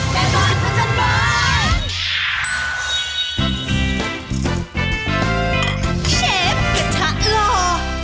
แบบบร้อยบราชันบาย